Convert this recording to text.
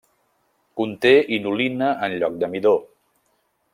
Conté inulina en lloc de midó.